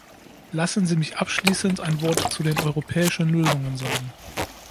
Lassen Sie mich abschließend ein Wort zu den "europäischen Lösungen" sagen.